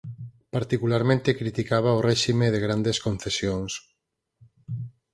Particularmente criticaba o réxime de grandes concesións.